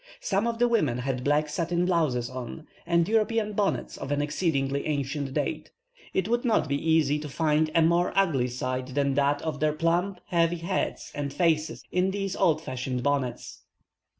Some of the women had black satin blouses on, and European bonnets of an exceedingly ancient date. It would not be easy to find a more ugly sight than that of their plump, heavy heads and faces in these old fashioned bonnets.